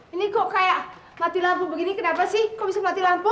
ini kok kayak mati lampu begini kenapa sih kok bisa mati lampu